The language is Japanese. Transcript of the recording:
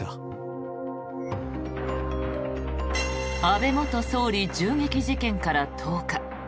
安倍元総理銃撃事件から１０日。